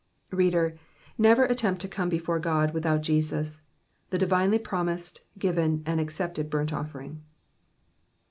'' Reader, never attempt to come before God without Jesus, the divinely promised, given, and accepted burnt offering.